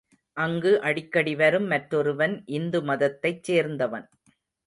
அங்கு அடிக்கடி வரும் மற்றொருவன் இந்து மதத்தைச் சேர்ந்தவன்.